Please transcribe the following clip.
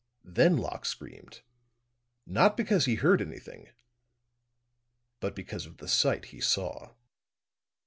Then Locke screamed, not because he heard anything, but because of the sight he saw."